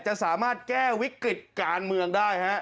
จะสามารถแก้วิกฤติการเมืองได้ฮะ